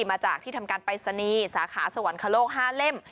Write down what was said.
มาจากที่ทำการปรายศนีย์สาขาสวรรคโลก๕เล่ม